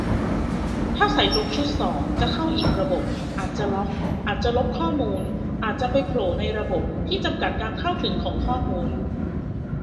ถ้าใส่ตรงชุดสอง จะเข้าอีกระบบ อาจจะล็อก อาจจะลบข้อมูล อาจจะไปโผล่ในระบบที่จำกัดการเข้าถึงข้อมูล